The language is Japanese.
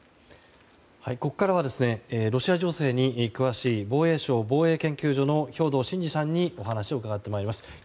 ここからはロシア情勢に詳しい防衛省防衛研究所の兵頭慎治さんにお話を伺ってまいります。